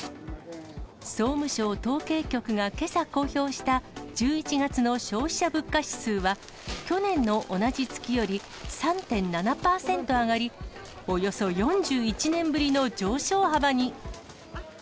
総務省統計局がけさ公表した１１月の消費者物価指数は、去年の同じ月より３．７％上がり、およそ４１年ぶりの上昇幅に。